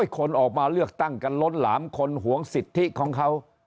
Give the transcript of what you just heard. คนออกมาเลือกตั้งกันล้นหลามคนหวงสิทธิของเขา